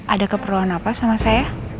ada keperluan apa sama saya